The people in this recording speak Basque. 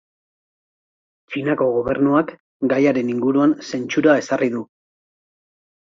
Txinako gobernuak gaiaren inguruan zentsura ezarri du.